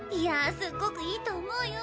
すっごくいいと思うよ